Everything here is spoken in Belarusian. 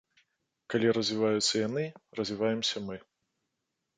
Калі развіваюцца яны, развіваемся мы.